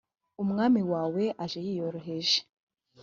umwami wawe aje yiyoroheje